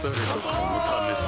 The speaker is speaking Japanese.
このためさ